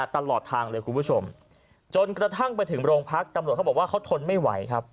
ตลอดทางเลยคุณผู้ชมจนกระทั่งไปถึงโรงพักตำรวจเขาบอกว่าเขาทนไม่ไหวครับ